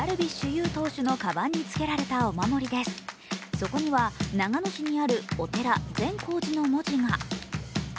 そこには長野市にあるお寺、善光寺の文字が。